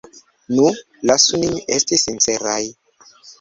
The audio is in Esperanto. Nu, lasu nin esti sinceraj.